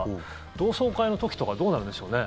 同窓会の時とかどうなるんでしょうね？